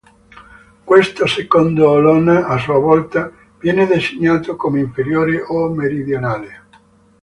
Questo secondo Olona, a sua volta, viene designato come "inferiore" o "meridionale".